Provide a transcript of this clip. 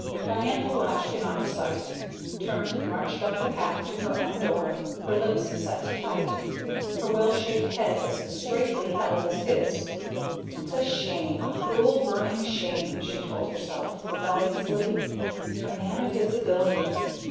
Diantha watched him out of sight, turned and marched up the path to her own door, her lips set tight, her well shaped head as straightly held as his. "It's a shame, a cruel, burning shame!" she told herself rebelliously. "A man of his ability.